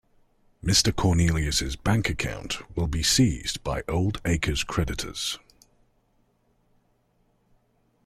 "Mr. Cornelius"'s bank account will be seized by Oldacre's creditors.